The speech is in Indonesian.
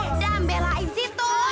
saya udah belain situ